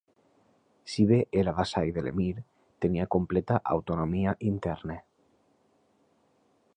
Si bé era vassall de l'emir, tenia completa autonomia interna.